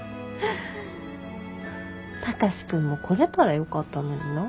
貴司君も来れたらよかったのになあ。